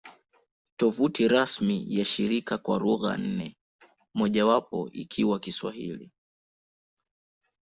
Tovuti rasmi ya shirika kwa lugha nne, mojawapo ikiwa Kiswahili